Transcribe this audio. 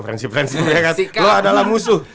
friendship friendship ya kan lo adalah musuh